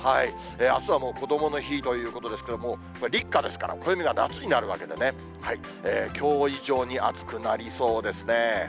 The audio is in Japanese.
あすはもうこどもの日ということですけども、立夏ですから、暦は夏になるわけでね、きょう以上に暑くなりそうですね。